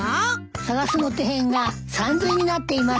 「探す」のてへんがさんずいになっています。